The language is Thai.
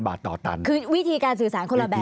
บาทต่อตันคือวิธีการสื่อสารคนละแบบ